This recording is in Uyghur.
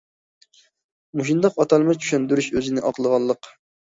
مۇشۇنداق ئاتالمىش چۈشەندۈرۈش ئۆزىنى ئاقلىغانلىق.